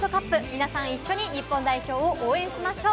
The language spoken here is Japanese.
皆さん、一緒に日本代表を応援しましょう！